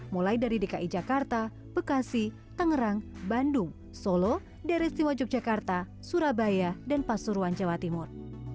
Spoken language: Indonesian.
mulai dari dki jakarta bekasi tangerang bandung solo dari istimewa yogyakarta surabaya dan pasuruan jawa timur